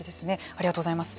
ありがとうございます。